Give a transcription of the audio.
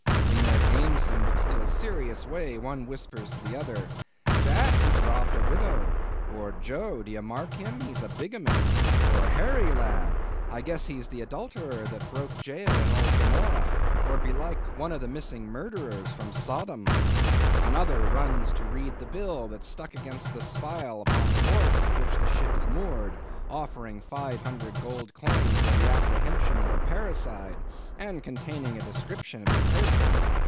In their gamesome but still serious way, one whispers to the other—"Jack, he's robbed a widow;" or, "Joe, do you mark him; he's a bigamist;" or, "Harry lad, I guess he's the adulterer that broke jail in old Gomorrah, or belike, one of the missing murderers from Sodom." Another runs to read the bill that's stuck against the spile upon the wharf to which the ship is moored, offering five hundred gold coins for the apprehension of a parricide, and containing a description of his person.